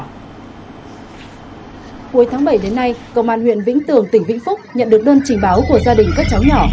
cuối tháng bảy đến nay công an huyện vĩnh tường tỉnh vĩnh phúc nhận được đơn trình báo của gia đình các cháu nhỏ